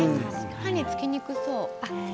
歯につきにくそう。